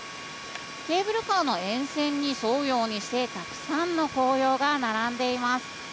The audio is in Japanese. ケーブルカーの沿線に沿うようにして、たくさんの紅葉が並んでいます。